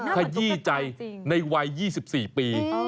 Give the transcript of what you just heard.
ใครยี่ใจในวัย๒๔ปี